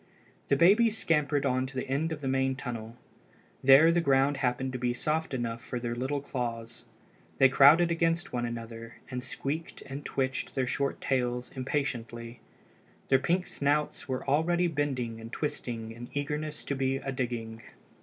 The babies scampered on to the end of the main tunnel. There the ground happened to be soft enough for their little claws. They crowded against one another, and squeaked and twitched their short tails impatiently. Their pink snouts were already bending and twisting in eagerness to be a digging.